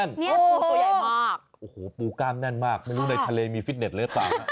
นี่ปูตัวใหญ่มากโอ้โหปูกล้ามแน่นมากไม่รู้ในทะเลมีฟิตเน็ตหรือเปล่านะ